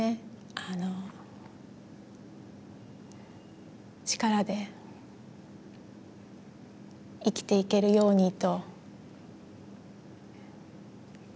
あの力で生きていけるようにと。